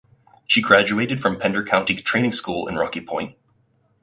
She graduated from Pender County Training School in Rocky Point.